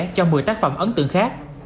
cho một mươi tác phẩm ấn tượng khác